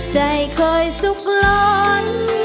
ใจเคยสุขล้น